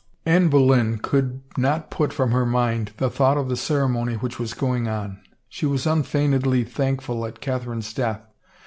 Anne Boleyn could not put from her mind the thought of the ceremony which was going on. She was unfeign edly thankful at Catherine's death.